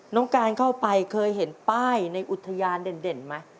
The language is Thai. น้องการเข้าไปเคยเห็นป้ายในอุทยานเด่นไหม